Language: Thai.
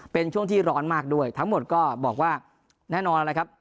เป็นช่วงที่ร้อนมากด้วยทั้งหมดก็บอกว่าแน่นอนนะครับ